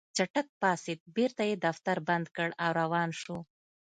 چټک پاڅېد بېرته يې دفتر بند کړ او روان شو.